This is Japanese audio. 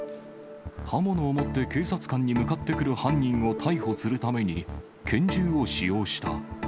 刃物を持って警察官に向かってくる犯人を逮捕するために、拳銃を使用した。